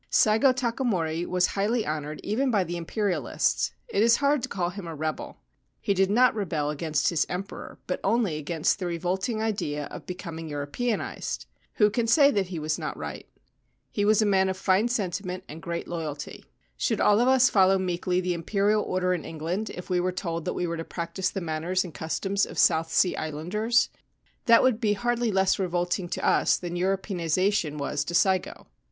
Saigo Takamori was highly honoured even by the Imperialists. It is hard to call him a rebel. He did not rebel against his Emperor, but only against the revolting idea of becoming European ised. Who can say that he was not right ? He was a man of fine sentiment and great loyalty. Should all of us 1 Fukuga told me this story and vouches for its accuracy. 223 Ancient Tales and Folklore of Japan follow meekly the Imperial order in England if we were told that we were to practise the manners and customs of South Sea Islanders ? That would be hardly less revolt ing to us than Europeanisation was to Saigo.